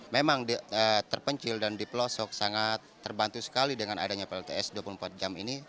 memang terpencil dan di pelosok sangat terbantu sekali dengan adanya plts dua puluh empat jam ini